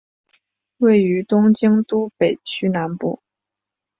位于东京都北区南部。